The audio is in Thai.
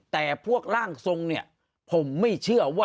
แต่พวกร่างทรงเนี่ยผมไม่เชื่อว่า